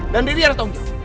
dan riri harus tanggung jawab